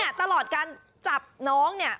นี่ตลอดการจับน้อง